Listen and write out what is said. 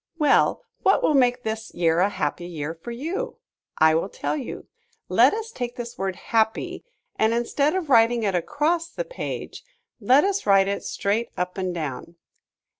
Well, what will make this year a happy year for you? I will tell you. Let us take this word Happy, and instead of writing it across the page let us write it straight up and down.